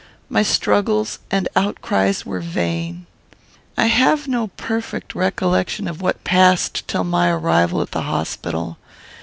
My struggles and outcries were vain. "I have no perfect recollection of what passed till my arrival at the hospital.